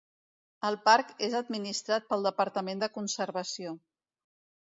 El parc és administrat pel Departament de Conservació.